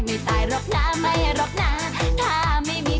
เป็นประโยชน์ที่ทุกคนก็ฟังกว่า